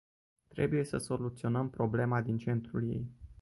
Trebuie să soluționăm problema din centrul ei.